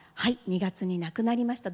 ２月に亡くなりました。